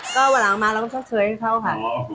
ก็วันหลังมาแล้วจะเผยให้เข้ากิน